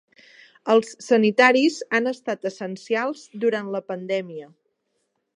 Els sanitaris han estat essencials durant la pandèmia.